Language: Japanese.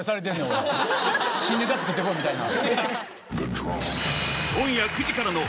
新ネタ作ってこいみたいな。